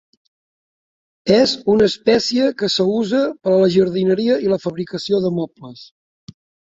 És una espècie que s'usa per a la jardineria i la fabricació de mobles.